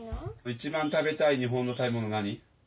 一番食べたい日本の食べ物何？